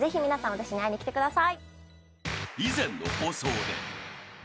私に会いに来てください。